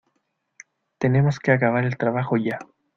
Tenemos que acabar el trabajo ya.